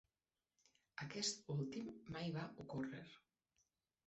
Aquest últim mai va ocórrer.